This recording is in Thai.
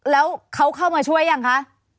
แล้วเขาเข้ามาช่วยยังคะ